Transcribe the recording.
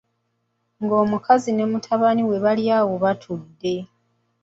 Ng'omukazi ne mutabani we bali awo batudde.